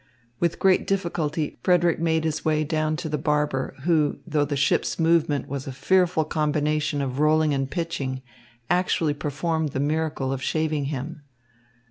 With great difficulty Frederick made his way down to the barber, who, though the ship's movement was a fearful combination of rolling and pitching, actually performed the miracle of shaving him.